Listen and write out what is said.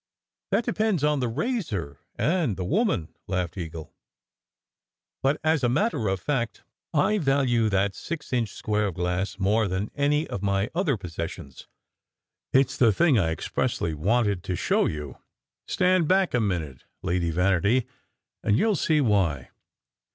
"That depends on the razor and the woman," laughed Eagle. "But as a matter of fact, I value that six inch square of glass more than any of my other possessions. It s the thing I expressly wanted to show you. Stand back a minute, Lady Vanity, and you ll see why."